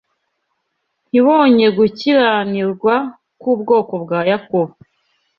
Ntibonye gukiranirwa k’ubwoko bwa Yakobo.